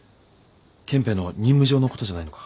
憲兵の任務上の事じゃないのか？